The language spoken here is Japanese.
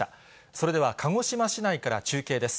それでは、鹿児島市内から中継です。